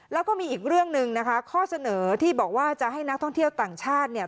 แล้วก็มีอีกเรื่องหนึ่งนะคะข้อเสนอที่บอกว่าจะให้นักท่องเที่ยวต่างชาติเนี่ย